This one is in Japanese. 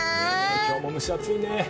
今日も蒸し暑いね。